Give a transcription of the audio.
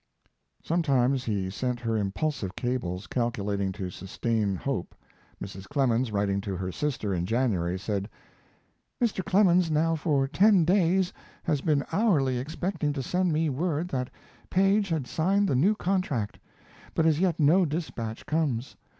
Sometimes he sent her impulsive cables calculating to sustain hope. Mrs. Clemens, writing to her sister in January, said: Mr. Clemens now for ten days has been hourly expecting to send me word that Paige had signed the (new) contract, but as yet no despatch comes....